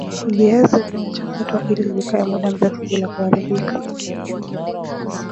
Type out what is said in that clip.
viazi vinachakatwa ili Vikae muda mrefu bila kuharibika